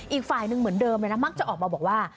อีกฝ่ายหนึ่งเหมือนเดิมเลยนะมักจะออกมาบอกว่า